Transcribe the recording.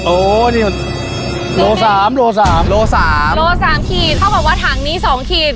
โอ้นี่โลสามโลสามโลสามโลสามขีดเขาบอกว่าถังนี้สองขีด